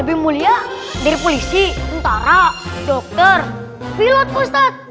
lebih mulia dari polisi untara dokter pilot pak ustadz